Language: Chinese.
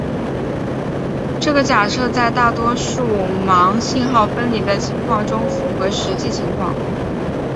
这个假设在大多数盲信号分离的情况中符合实际情况。